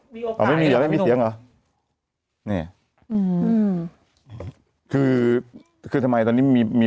มีโอกาสอ๋อไม่มีไม่มีเสียงเหรอเนี่ยอืมคือคือทำไมตอนนี้มีมี